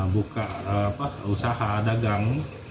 buka usaha dagang